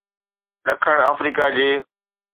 ڏکڻ آفريڪا جي